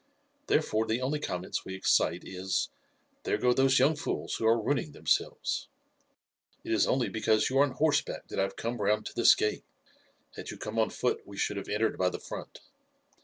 Therefore the only comments we excite is, 'There go those young fools who are ruining themselves.' It is only because you are on horseback that I have come round to this gate; had you come on foot we should have entered by the front.